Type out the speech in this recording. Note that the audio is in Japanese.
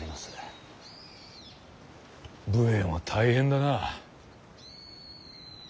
武衛も大変だな。